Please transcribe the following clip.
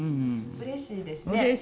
うれしいです。